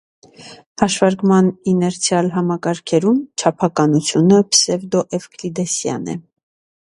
Հաշվարկման իներցիալ համակարգերում չափականությունը պսևդոէվկլիդեսյան է։